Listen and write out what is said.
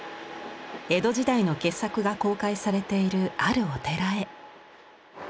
江戸時代の傑作が公開されているあるお寺へ。